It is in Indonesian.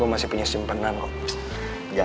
wah udah udah satu ratus lima belas yang mengajarin